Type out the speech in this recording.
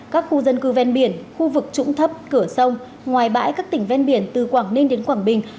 các khu dân cư ven biển khu vực trũng thấp cửa sông ngoài bãi các tỉnh ven biển từ quảng ninh đến quảng bình